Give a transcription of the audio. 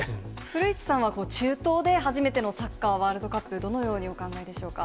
古市さんは、中東で初めてのサッカーワールドカップ、どのようにお考えでしょうか？